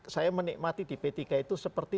saya menikmati di p tiga itu seperti